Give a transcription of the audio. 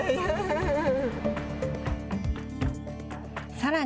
さらに。